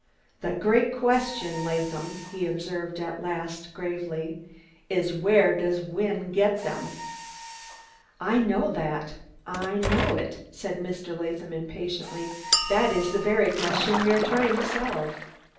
"Der gread question, Laadham," he observed at last, gravely, "iss vere does Vynne ged dem." "I know that I know it," said Mr. Latham impatiently. "That is the very question we are trying to solve."